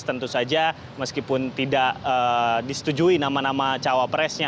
tentu saja meskipun tidak disetujui nama nama cawapresnya